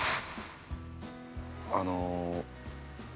あの。